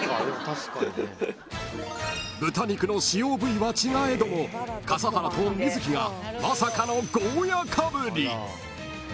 ［豚肉の使用部位は違えども笠原と実月がまさかのゴーヤかぶり］